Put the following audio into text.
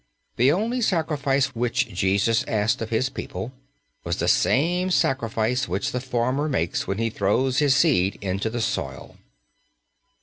The only sacrifice which Jesus asked of His people was the same sacrifice which the farmer makes when he throws his seed into the soil.